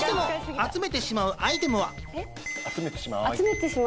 集めてしまうアイテム。